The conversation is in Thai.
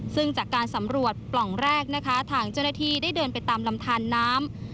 ซึ่งจากการสำรวจปล่องแรกนะคะทางเจ้าหน้าที่ได้เดินไปตามลำทานน้ำ